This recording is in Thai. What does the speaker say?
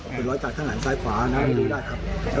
เป็นรอยจากข้างหลังซ้ายขวานะไม่รู้ได้ครับ